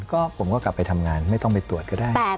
ก็ผมก็กลับไปทำงานไม่ต้องไปตรวจก็ได้